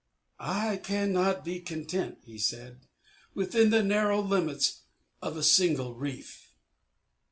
"I cannot be content," he said, "within the narrow limits of a single reef."